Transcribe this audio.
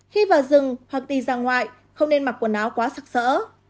khi vào rừng hoặc đi ra ngoài không nên mặc quần áo quá sắc sỡ